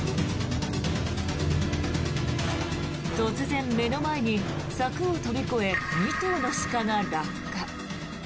突然、目の前に柵を跳び越え２頭の鹿が落下。